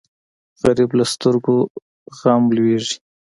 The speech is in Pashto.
غریب له سترګو غم لوېږي